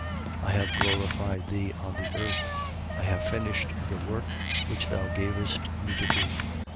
17:4. I have glorified thee on the earth; I have finished the work which thou gavest me to do.